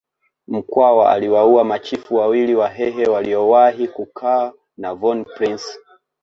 Mkwawa aliwaua machifu wawili wahehe waliowahi kukaa na von Prince